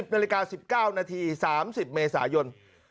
นาฬิกา๑๙นาที๓๐เมษายน